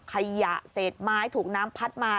ขยะเศษไม้ถูกน้ำพัดมา